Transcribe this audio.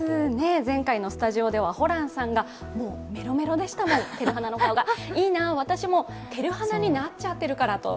前回のスタジオではホランさんがもうメロメロでしたもん、いいなぁ、私もてるはなになっちゃってるからと。